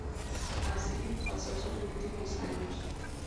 Así paso sus últimos años.